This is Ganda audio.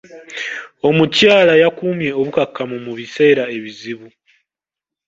Omukyala yakuumye obukkakkamu mu biseera ebizibu.